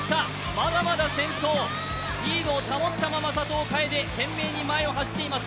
まだまだ先頭、リードを保ったまま、佐藤楓、懸命に走っています。